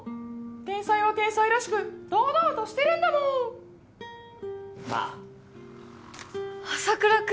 天才は天才らしく堂々としてるんだモウわあっ朝倉君